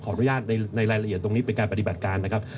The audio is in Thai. อนุญาตในรายละเอียดตรงนี้เป็นการปฏิบัติการนะครับ